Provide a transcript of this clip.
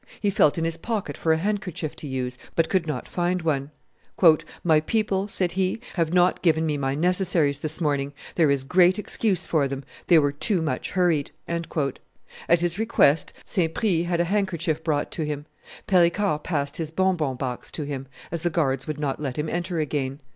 He felt in his pocket for a handkerchief to use, but could not find one. "My people," said he, "have not given me my necessaries this morning: there is great excuse for them; they were too much hurried." At his request, Saint Prix had a handkerchief brought to him. Pericard passed his bonbon box to him, as the guards would not let him enter again.